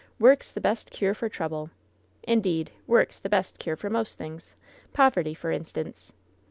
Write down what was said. Work's the best cure for trouble. Indeed, work's the best cure for most things — ^poverty, for in stance."